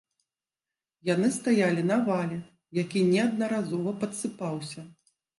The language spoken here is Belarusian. Яны стаялі на вале, які неаднаразова падсыпаўся.